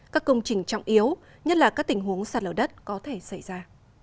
các công trình trọng yếu nhất là các tình huống sạt lở đất có thể xảy ra